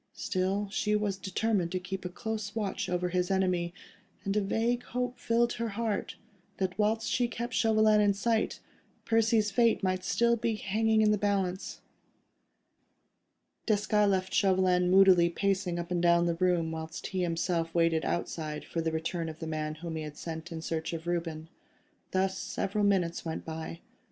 Still, she was determined to keep a close watch over his enemy, and a vague hope filled her heart, that whilst she kept Chauvelin in sight, Percy's fate might still be hanging in the balance. Desgas had left Chauvelin moodily pacing up and down the room, whilst he himself waited outside for the return of the man whom he had sent in search of Reuben. Thus several minutes went by.